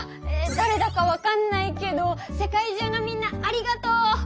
だれだか分かんないけど世界中のみんなありがとう！